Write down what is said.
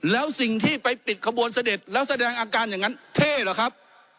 แล้วสิ่งที่ไปติดขบวนเสด็จแล้วแสดงอาการอย่างนั้นเท่เหรอครับ